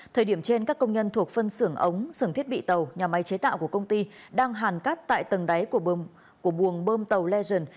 thời điểm trên các công nhân thuộc phân xưởng ống xưởng thiết bị tàu nhà máy chế tạo của công ty đang hàn cắt tại tầng đáy của buồng bơm tàu legend